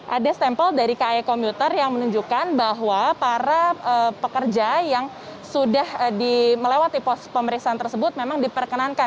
ada stempel dari kai komuter yang menunjukkan bahwa para pekerja yang sudah melewati pos pemeriksaan tersebut memang diperkenankan